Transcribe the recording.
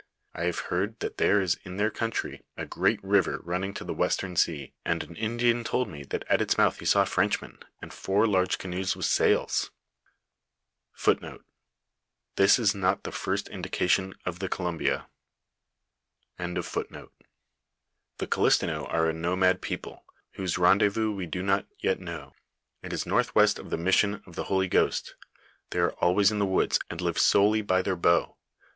I have heard that there is in their country a great river running to the western sea, and an Indian told me that at its mouth he saw Frenchmen, and four large canoes with sails.* ' The Kilistinaux are a nomad people, whose rendezvous we do not yet know. It is northwest of the mission of the Holy Ghost ; they are always in the woods, and live solely by their bow.